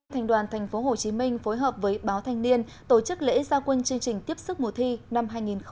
thành đoàn tp hcm phối hợp với báo thanh niên tổ chức lễ gia quân chương trình tiếp sức mùa thi năm hai nghìn hai mươi